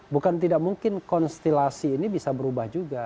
bukan tidak mungkin konstelasi ini bisa berubah juga